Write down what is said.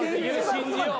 信じよう。